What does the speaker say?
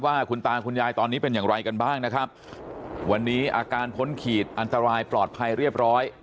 ว่าคุณตาคุณยายตอนนี้เป็นอย่างไรกันบ้างนะครับวันนี้อาการพ้นขีดอันตรายปลอดภัยเรียบร้อย